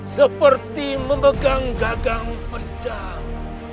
seperti memegang gagang pedang